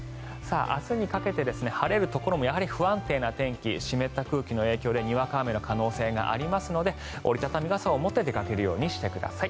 明日にかけて晴れるところもやはり不安定な天気湿った空気の影響でにわか雨の可能性がありますので折り畳み傘を持って出かけるようにしてください。